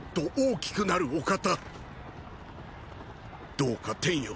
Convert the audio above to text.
どうか天よ